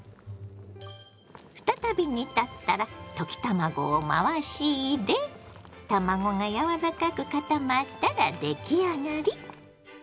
再び煮立ったら溶き卵を回し入れ卵が柔らかく固まったら出来上がり！